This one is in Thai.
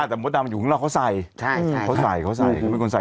แต่ประตูดำอยู่ข้างล่างเขาใส่